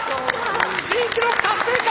新記録達成か？